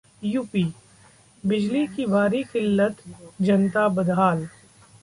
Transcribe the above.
UP: बिजली की भारी किल्लत, जनता बदहाल